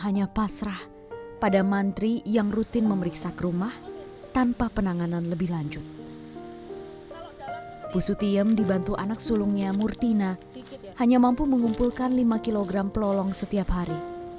namanya murtina hanya mampu mengumpulkan lima kg pelolong setiap hari